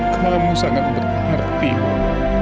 kamu sangat berhati hati